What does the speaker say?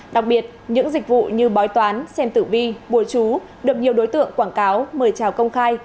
đặc biệt những dịch vụ như bói toán xem tử vi bùa chú được nhiều đối tượng quảng cáo mời chào công khai